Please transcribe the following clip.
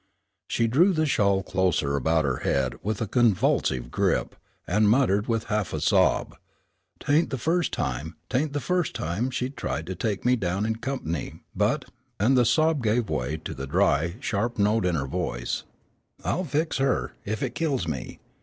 She drew the shawl closer about her head with a convulsive grip, and muttered with a half sob, "'Tain't the first time, 'tain't the first time she's tried to take me down in comp'ny, but " and the sob gave way to the dry, sharp note in her voice, "I'll fix her, if it kills me.